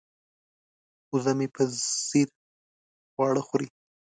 وزه مې په ځیر خواړه خوري.